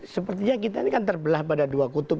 sepertinya kita ini kan terbelah pada dua kutub